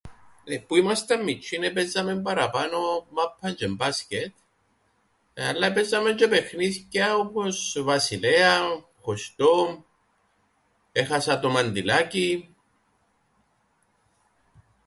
Που ήμασταν μιτσ̆ιοί επαίζαμεν παραπάνω μάππαν τζ̆αι μπάσκετ, αλλά επαίζαμεν τζ̆αι παιχνίθκια όπως Βασιλέαν, χωστόν, έχασα το μαντιλάκιν...